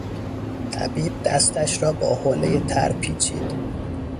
طبیب دستش را با حولهٔ تر پیچید.